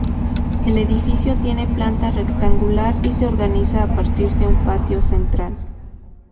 El edificio tiene planta rectangular y se organiza a partir de un patio central.